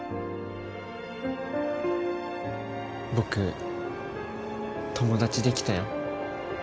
僕友達できたよ